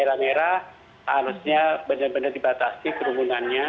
daerah merah harusnya benar benar dibatasi kerumunannya